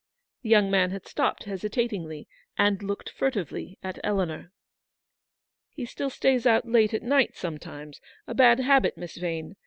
" The young man had stopped hesitatingly, and looked furtively at Eleanor. WAITING. 99 " He still stays out late at night sometimes : a bad habit, Miss Yane.